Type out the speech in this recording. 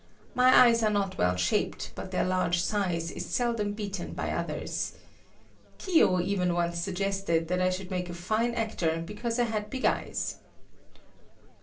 My eyes are not well shaped but their large size is seldom beaten by others. Kiyo even once suggested that I should make a fine actor because I had big eyes.